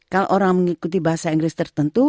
kalau orang mengikuti bahasa inggris tertentu